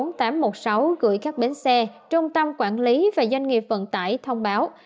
sau văn bản bốn nghìn tám trăm một mươi sáu gửi các bến xe trung tâm quản lý và doanh nghiệp vận tải thông báo